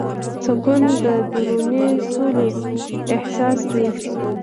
سکون د دروني سولې احساس دی.